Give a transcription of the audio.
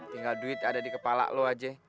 tinggal duit ada di kepala lo aja